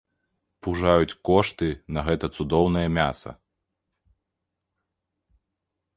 Пужаюць кошты на гэтае цудоўнае мяса!